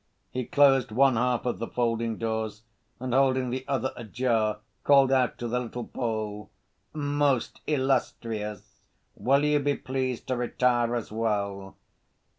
He closed one half of the folding doors, and holding the other ajar called out to the little Pole: "Most illustrious, will you be pleased to retire as well?"